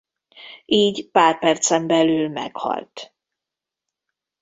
Így pár percen belül meghalt.